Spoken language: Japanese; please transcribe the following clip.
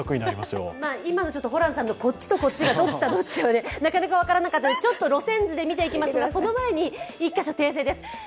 今のホランさんのこっちとこっち、どっちがどっちとなかなか分からなかったので路線図で見ていきますが、その前に１カ所訂正です。